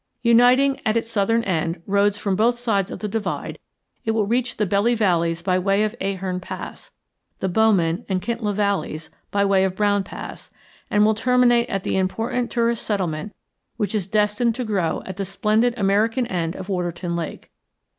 Uniting at its southern end roads from both sides of the divide, it will reach the Belly valleys by way of Ahern Pass, the Bowman and Kintla valleys by way of Brown Pass, and will terminate at the important tourist settlement which is destined to grow at the splendid American end of Waterton Lake.